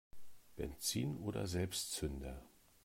Benzin oder Selbstzünder?